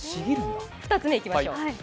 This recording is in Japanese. ２つ目いきましょう。